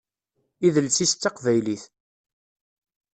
Idles-is d taqbaylit.